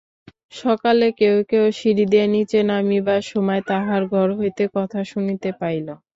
সকালে কেহ কেহ সিঁড়ি দিয়া নীচে নামিবার সময় তাহার ঘর হইতে কথা শুনিতে পাইল।